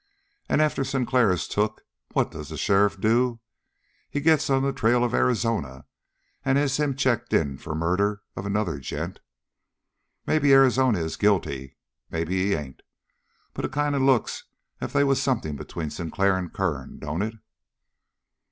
And after Sinclair is took, what does the sheriff do? He gets on the trail of Arizona and has him checked in for murder of another gent. Maybe Arizona is guilty, maybe he ain't. But it kind of looks as if they was something between Sinclair and Kern, don't it?"